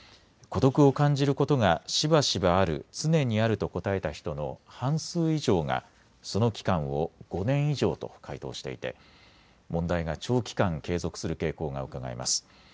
孤独を感じることがしばしばある・常にあると答えた人の半数以上がその期間を５年以上と回答していて問題が長期間、継続する傾向が伺えます。